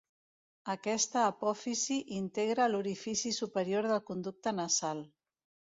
Aquesta apòfisi integra l'orifici superior del conducte nasal.